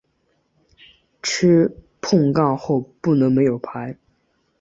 吃碰杠后不能没有牌。